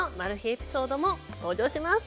エピソードも登場します。